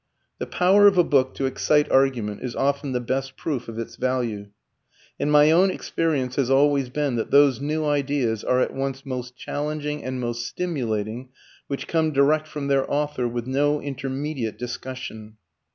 The power of a book to excite argument is often the best proof of its value, and my own experience has always been that those new ideas are at once most challenging and most stimulating which come direct from their author, with no intermediate discussion.